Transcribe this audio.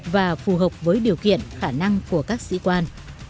và phù hợp với điều kiện khả năng của các sĩ quan